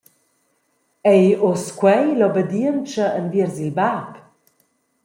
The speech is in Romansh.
Ei uss quei l’obedientscha enviers il bab?